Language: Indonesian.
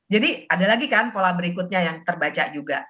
jadi ada lagi kan pola berikutnya yang terbaca juga